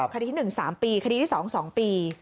คดีที่๑๓ปีคดีที่๒๒ปี